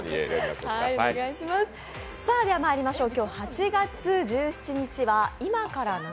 まいりましょう。